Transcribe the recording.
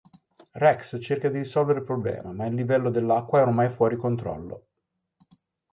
Rex cerca di risolvere il problema ma il livello dell'acqua è ormai fuori controllo.